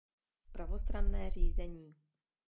Pravostranné řízení.